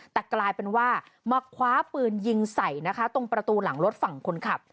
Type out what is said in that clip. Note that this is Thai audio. แต่กลายเป็นว่ามาคว้าปืนยิงใส่นะคะตรงประตูหลังรถฝั่งคนขับ